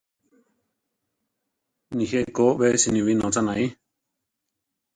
Nijé Ko be siníbi nócha naí.